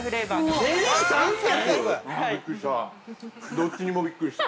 どっちにもびっくりした。